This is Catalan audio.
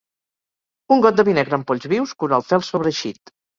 Un got de vi negre amb polls vius cura el fel sobreeixit.